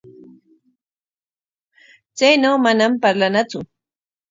Chaynaw manam parlanatsu.